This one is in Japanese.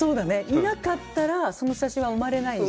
いなかったらその写真は生まれないし。